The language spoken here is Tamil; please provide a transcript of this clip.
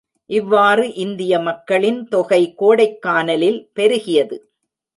இவ்வாறு இந்திய மக்களின் தொகை கோடைக்கானலில் பெருகியது.